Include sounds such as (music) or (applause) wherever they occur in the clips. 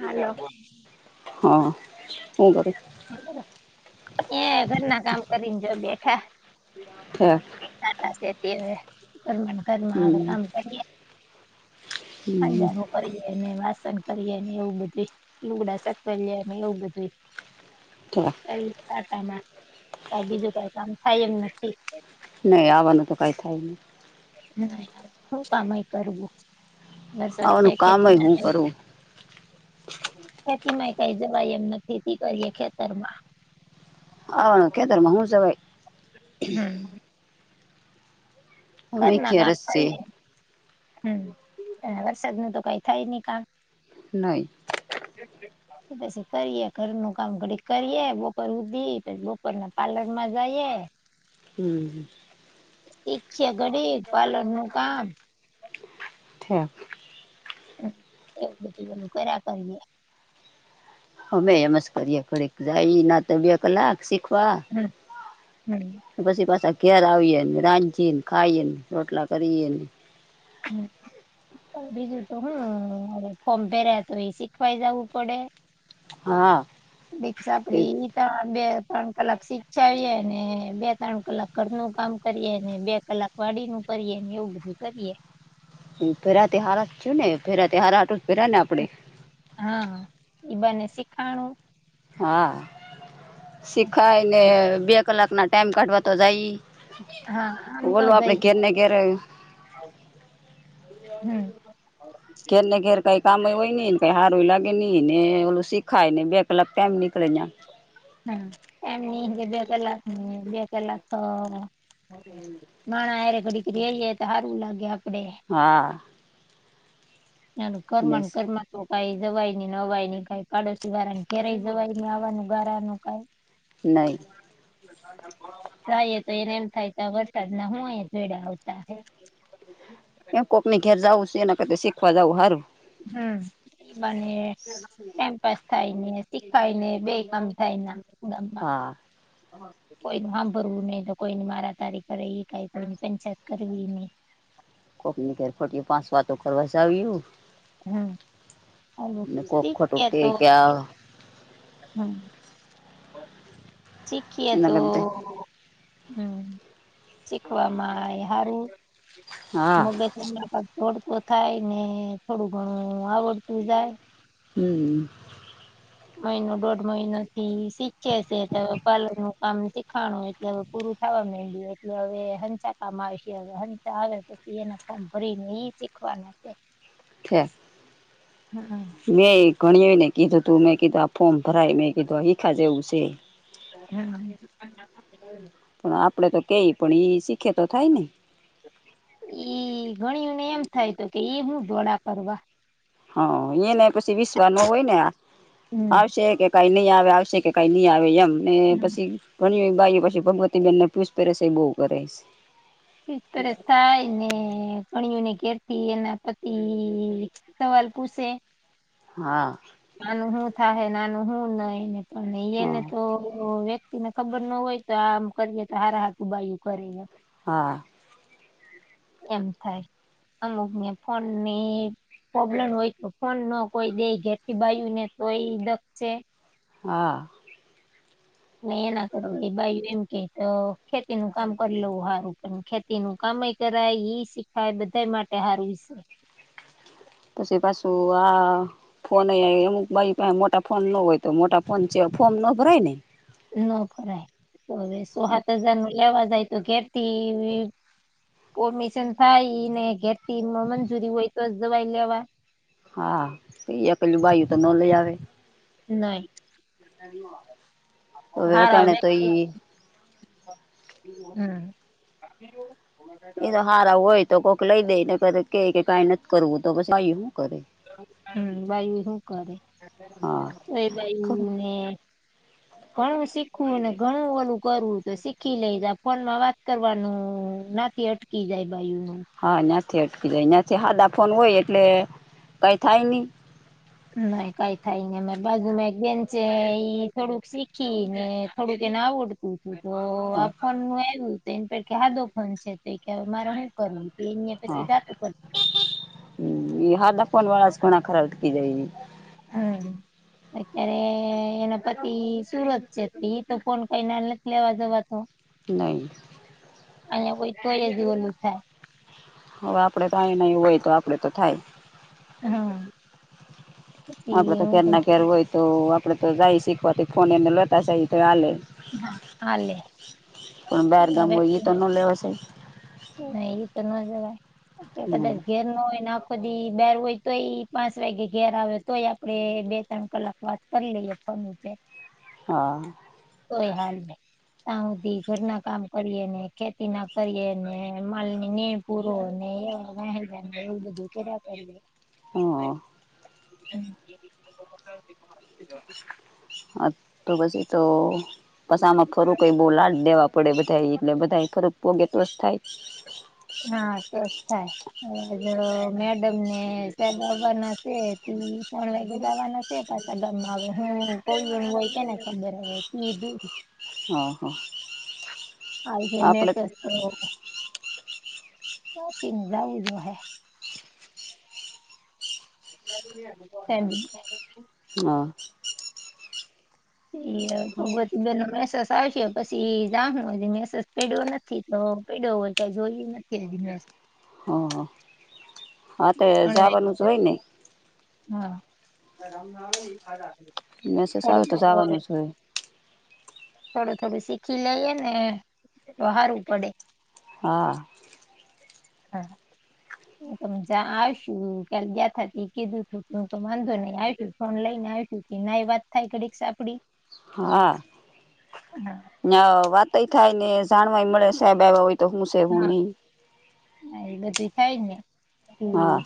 હાલો (unintelligible) એ ઘરના કામ કરીને જો ઠેક બેઠાતા. ઘરમાં ઘરમાં હમ કામ કરીએ, હમ અંદર હું. કરીએ ને, વાસણ કરીએ ને, એવું બધું, લુગડા છતમાં એવું એવું બધું. (unintelligible) કરી, ટાટામાં ક બીજું કઈ કામ થાય, એમ નથી. ન આવાનું તો કાય થાય ન (unintelligible) નાહી કામય કરવું. (unintelligible) વરસાદ આનુ છે કામ હો, હું કરું. ખેતીય કઈ જવાય એમ નથી, કરીએ ખેતર માં. હ, ખેતરમાં હું જવાઈ. હમ અમે ઘરના ક્યાં કામ રસશે થાય, હે. હ વરસાદ ન તો કંઈ થાય નહીં કામ. નહીં. (unintelligible) એ પછી કરીએ ઘરનું કામ, ઘડીક કરીએ બપોર હુધી, પછી બપોર ના પાર્લરમાં જઈએ. હમ. શીખીએ, ઘડીક પાર્લર નું કામ. હા. એવું બધું બ કર્યા કરીએ. હમે એમ જ કરીએ, ઘડીક જાય ના તો બે કલાક શીખવા. હમ, હમ. પછી પાછા ઘેર આવીએ ને, રાંધીએ ને, ખાઈને રોટલા કરીએ ને. હમ. બીજું તો હમ અમે ફર્યા, તો એ શીખવાઈ જવું પડે. હા (unintelligible) એ આપડી. તો બે-ત્રણ કલાક શિક્ષાવીએ ને, બે-ત્રણ કલાક ઘરનું કામ કરીએ ને, બે કલાક વાડી નું કરીએ, ને એવું બધું કરીએ. હ, ફેરા તો હારા છું ને, ફેરા ત હારાટ પેરા ને આપડે. હા, એ બને શીખાણું. હા, શીખાય ને, બે કલાક ના ટાઈમ કાઢવા તો જઈ. હા આમ ન બોલો, આપડે જઈ ધેરને ધેર. હમ. ધેરને, ઘેર કંઈ કામ હોય નઈ કઈ હારું લાગે નઈ ને ઓલું સીખાય ને બે કલાક કેમ નીકળે. હમ એમની બે બે કલાક ની બે કલાક તો માણા હારે ઘડીક રઈએ તો હારું લાગે આપડે. હા. ના ઘરમાં ને ઘરમાં તો કઈ જવાઈ નય કઈ પાડોશી વાળાની ઘરેય જવાઈ આવવાનું ગારાનું કઈ નઈ. જાય તો એને એમ થાય તા વરસાદ ના હોયય જોડે આવતા હ. એમ કોક ની ઘેર જવું છે એના કરતા શીખવા જવું સારું. હમ, એ બાને ટાઈમ પાસ થાયને શીખાય ને બે કામ થાય ના હા (unintelligible) કોઈ ન સાંભરવું નહી તો કોઈની મારા તારી કર એ કઈ પંચાયત કરવી નહી. કોકની ઘેર ખોટી પાંચ વાતો કરવા જાવ્યું. હમ ને કોક ખોટું શીખ કે તો કે આ હમ. શીખીએ એના તો કરતા હમ શીખવામાં આવે સારું. હા મગજમ તોડતું થાય ને થોડું ઘણું આવડતું જાય. હમ. મહિનો દોઢ મહિનો થી શીખે છે. હવે પાલર નું કામ શીખાણું એટલે હવે પૂરું ખાવા દ એટલે હવે હંચા કામ આવશે હવે હચા આવે તો એને ફોર્મ ભરીને એ શીખવાના. (inaudible) હમ. મેં ગણીયે ને કીધું તું મેં કીધું આ ફોર્મ ભરાય મેં કીધું હીખા જેવું છે. હમ. પણ આપડે તો કેય પણ ઈ શીખે તો થાય ને. એઈ ગણીયુને એમ થાય તો કે એ હું ગોળા કરવા. હ યે ને પછી વિસ વાર નો હોય ને આ હમ આવશે કે કઈ લી આવે આવશે કે કઈ લી આવે એમ. અને પછી ઘણી (unintelligible) પછી ભગવતીબેનને (unintelligible) બુ કરેશે. તરે થાય ને ગણીઓને કેતી એના પતિ સવાલ પૂછે હા. આનું હું થાહે ને આનું હું નહીને પણ હા (unintelligible) ને ખબર ન હોય તો આમ કરીએે તો હારા. (unintelligible) હા. એમ થાય. અમુક ને ફોનને પ્રોબ્લેમ હોય તો ફોન ન કોઈ દેય ઘેરથી બાયુ ને તો એ દખ છે. હા. (unintelligible) ભાઈ એમ કે તો ખેતી નું કામ કરી લેવું હારું પણ ખેતી નું કામય કરાય ઈ શીખાય બધા માટે હારું સે. પછી પાછું આ ફોન એ અમુક ભાઈ પાહે મોટા ફોન ન હોય. તો મોટા ફોન છે ફોમ ન ભરાય ને? ન ભરાય, તો અવે સો હાત હજાર નું લેવા જાય તો ઘેરથી (unintelligible) થાય ઈને ઘેરથી મંજૂરી હોય તો જ દવાઈ લેવાય. હા (unintelligible) આવે. નઈ. હવે અટાણે તો ઈ (unintelligible) હમ. એ તો હારા હોય તો કોઈક લઈ દેને બધા કેઈ કે કાઈ નથી કરવું તો પછી હું કરે. હમ બાયુ હું કરે હા કોઈ બાયુને (inaudible) ઘણું શીખવું ને ઘણું ઓલું કરવું તો શીખી લઈ તા ફોનમાં વાત કરવાનું થી અટકી જાય બાયુ. હા જ્યાંથી અટકી જાય જ્યાંથી હાદા ફોન હોય એટલે કઈ થાય નહી. નઈ કાઈ થાય ની ને બાજુમાં એક બેન્ચે એ થોડુંક શીખી ને થોડુંક એને આવડ તો આ હા ફોનું (unintelligible) સાદો ફોન છે તો કે મારે હું કરવું. (unintelligible) હમ્મ ઈ હાદા ફોન વાળા જ ખણા ખરા અટકી જાય. હમ્મ. અત્યારે એના પતિ સુરત (unintelligible) લેવા જવા તો. નહીં. અને હોઈ તોય દિવલું થાય. હવા આપડે તો અહીંયા નય હોય તો આપડે તો થાય હ. આપડે તો કેર ના કેર હોય તો આપડે તો જાય શીખવાથી ફોન એને લેતા જાયએ તો અવે. હા હાલે (unintelligible) હોયએ ઈતો લેવાશે. નઈ ઈ તો ન જવાય કદાચ ઘે (unintelligible) આખો દી બેર હોય તોય પાંચ વાગે ઘેર આવે તોય આપડે બે ત્રણ કલાક વાત. (unintelligible) હા. કોઈ હાલ ની ત્યાં હુદી ઘરના કામ કરીએ ને ખેતી ના કરીએ ને માલ ની નેણ પૂરો ને એવા વહે જાય ને એવું બધું. (unintelligible) હ. (inaudible) હ તો પછી તો પસામાં ફરું કઈ બોલા જ દેવા પડે બધા એટલે બધા ફરક પોગે તો જ થાય. હા તેજ થાય. હ જો મેડમ ને ચવાના હ છે ત્રણ વાગે જવાના. તે પાછસા ગરમાં આવે હ કોઈ હોય કેને ખબર હ કીધું. હ હા. આપડે (unintelligible) સાચીને જાવું જો હે એમ. હા. (unintelligible) સા પછી જાામ દિવસ પેડો નથી તો પેડો હોય ક જોયું નથી દસ હ હ. (unintelligible) મેસેજ આવે કડું તો જવાનું જ હોય થોડું થોડું શીખી લઈએ ને હારવું પડે. હા હા. હ તજા આવશુ કાલે ગયાથાથી કીધું તું કે હું તો વાંધો નહી આવું ફોન લઈને આવું. ના એ વાત થાય કડી સા. હા હા વાતય થાય ને જાણવાય મળે સાહેબ એ હો તો હુંસે એવ હા નઈ. હા એ બધું થાય જ હા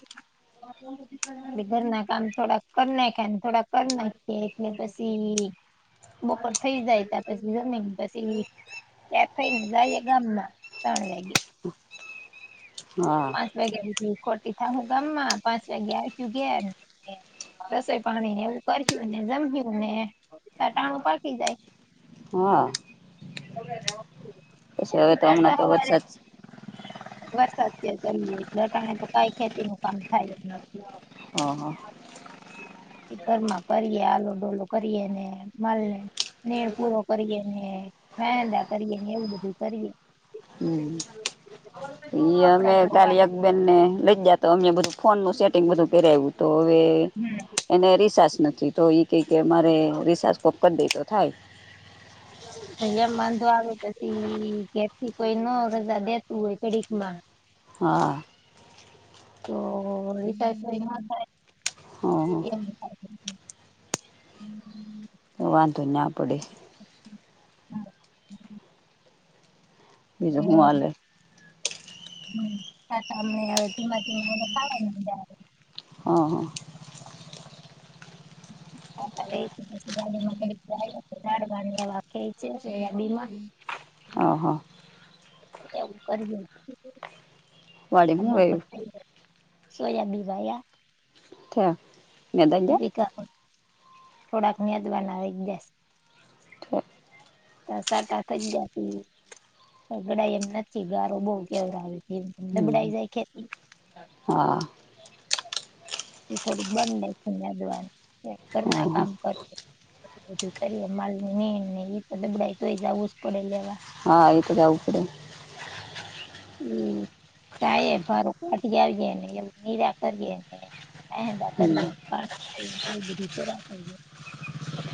ને ઘરના કામ થોડા કર નાખાય થોડા કરી નાખી એટલે પછી બપોર થઈ જાય ત્યાં પછી જમીન પછી ત્યા થઈને જાય ગામના તણ વા (unintelligible) હા. (unintelligible) ગામમાં પાંચ વાગે (unintelligible) ગયા એમ રસોઈ પાણીને એવું કર્યું ને જમ્યું ને ત્યા ટાણું પાકી હા જાય (inaudible) પછી હવે તો હમણાં પાછા તો હવારે વરસાદ વરસાદ છે, ચાલ લટાણે તો કઈ ખેતી ન કામ થાય જ નથી હ હ. ઘરમાં કરીએ આલો ડોલો કરીએને માલને ને પૂરો કરીએ ને મહેંદા કરીએ ને એવું બધું કરીએ હમ (inaudible) ઈ અમે કાલી એક ધોવાના બેેનને લઈ ગયા તો અમે બધું ફોનનું સે (unintelligible) બધું પેરાયવુ તો હવે હમ એને રિસાચ નથી તો એ કંઈ કે મારે રિસાસ કોક કરી દે તો થાય અયા એમ વાંધો આવે પછી કેેથી કોઈ ન કરતા દેતું હોય કડીકમાં હા (unintelligible) તો હ (unintelligible) (inaudible) વાધો ના પડે (inaudible) બીજું હું હાલે (inaudible) (inaudible) હ હ. (inaudible) હ હ. એવું વાડી હું વયું (unintelligible) સોયાબી ભાયા થે મે દા ગયા (unintelligible) થોડાક (unintelligible) ગયા (inaudible) પગડાય એમ નથી ગારો બોવ કેવરાવે હમ દબડાઈ જાય ખેતી હા. એ થોડુંક બંડે મેદવાન હ ઘરના હ કામ કર બધું કરી માલ ને ને ઈ તો દબડાય તોય જવું જ પડે લેવા હા એ તો જાવું પડે (unintelligible) મહેંદા કરીએ પા (unintelligible) હમ એવ બધું (unintelligible)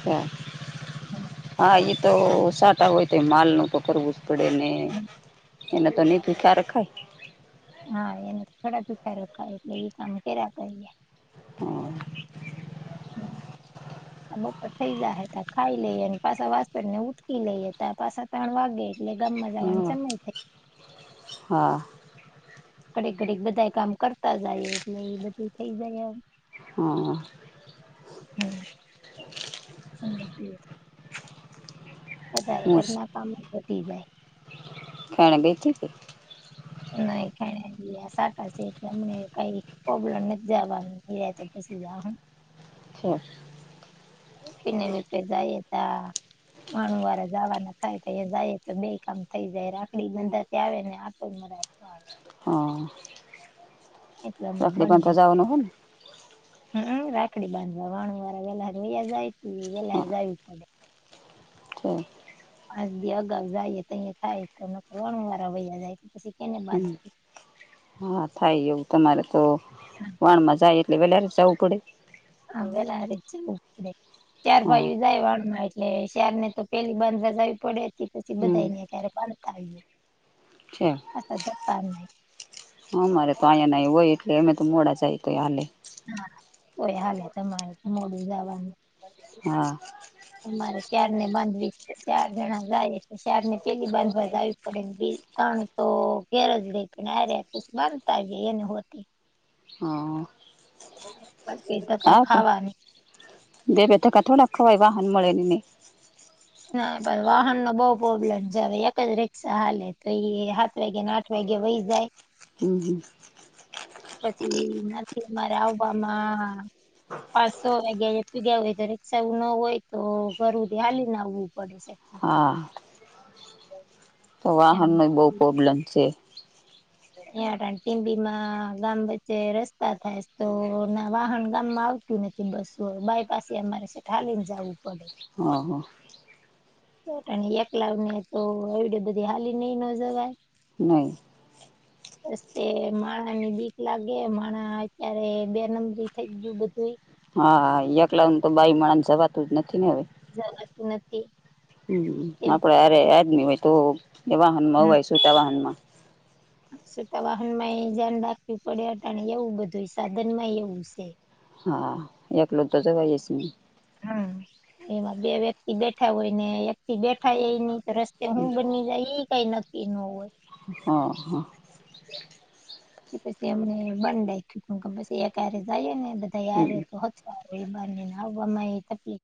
હા હા ઈ તો સાટા હોય તો માલનું તો કરવું પડે ને (inaudible) હા એને થોડા ભેખા રોખાય એટલે એ કામ કે કરી (inaudible) (unintelligible) ત્રણ વાગે એટલે ગામમાં જવા હા સમય થ હા. ઘડીક ઘડીક બધા કામ કરતા જાય એટલે એ બધું થઇ જાય એમ હ. હમ (unintelligible) વધારે હું કરના કામ વધી જાય ફેણે બેચી છે. (unintelligible) એટલે અમને કઈ (unintelligible) (unintelligible) પને બફેર જાય હતા માણું વારા જવા ના થાય તો જાય તો બે કામ થઈ જાય રાખડી બંદર ત આવેને આટ ઉર રાવા એટલે લકડી બાંધતા જાવનું હોલ હમમ રાખડી બાંધવા વાણ વાળ વેલાારયા જાય વેલાાર જવું પડે હા પાંજ દી અગાઉ જઈએ તો અહીયા થાય તો નકનું વારા વૈયા જાય પછી કેને હમ બાંધી હા થાય એવું તમારે તો વાણ માં જાય એટલે વેલરે જવું પડે હવે લરી છેકીે ચાર હા ભાઈ જાય વાણ માં એટલે શાર ને તો પેલી બાંધરા જાવવી પડે હતી પછી બધાાઈ ને ક્યારેક બંધ કરીઈએ અચા અ ધકાર નહી હા મારે તો અહીંયા ના હોય એટલે અમે તો મોડા જાય તો હાલે હા કોઈ હાલે તમારે તો મોડું જવાનું હા અમારે શ્યાર ને બાંધવી ચાર જણા જાય છે શાર ને પેલી બાંધવા જ આવ આપ તણ તો ઘેર જ લે પણ આ ર્યાશ માનતા જ એને હોતી હા બસ કતાતા ખાવાનું દે બેઠકાઠો રા આપ ખવાય બ હન મળલાને ના પણ વાહન નો બઉ પ્રોબ્લેમ છે હવે એક જ રી્ષા હાલે તો એ સા વાગ્યાે ના આટ વાગે વઈ જાય એમગ પછી નથી અમારે આવવામાં પાંચસો વાગ્યા જે ત ગયા હોય તો રિક્ક્ષા એું ન હોય તો ઘરવુંધ હાલી નાવવું પડે છે હા તો એમ વાહન નો બહુ પ્રોબ્લેમ છે અં ટીંબીમાં ગામ વચ્ચે રસ્તા થાય તો ના વાહન ગામમાં આવ ું નથી બસવું બાય પાસે અમારે ાલીને જવું પડે હા હા ચોટાણી એકલાવ ને તો એવડે બધી હાલી નઈ ન જવાય નહી રસ્તે માણા ની બીક લાગે માણા અત્યારે બે નંબરી થઈ ગયું બધું હા એકલા ન તો બાઈમણા ને જવાતું જ નથી ને હવે જરત નથી હ આપડે અરે આજમી હોય તો એ વાહન હોવાય શુંતા વાહન માં સુુંતા વાહન માં એ ધ્યાન રાખવીું પડે અટા એવું બધું સાધન માં એવું છે હા એકલો તો તો ભાઈએસ ને હમ એમાં બે વ્યક્તિ બેઠા હોય ને એક થી બેઠા એની રસ્તે હું બની જાય એ કઈ નક્કી ન હોય હા હા કે પછી એમને બંધ રાખ્યું કે પછી એક્યારે જઈએ ને બધા યાર હમ તો હ એ બ નને ન બ અમ તપી